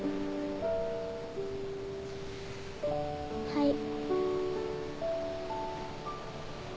はい。